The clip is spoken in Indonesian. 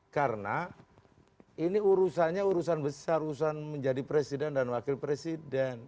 karena ini urusannya urusan besar urusan menjadi presiden dan wakil presiden